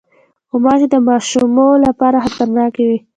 غوماشې د ماشومو لپاره خطرناکې وي.